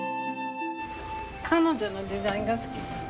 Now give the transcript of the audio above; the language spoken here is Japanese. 彼女のデザインが好き。